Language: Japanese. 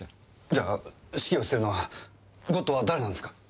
じゃあ指揮をしているのはゴッドは誰なんですか？